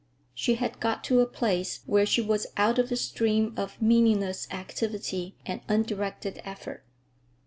She had got to a place where she was out of the stream of meaningless activity and undirected effort.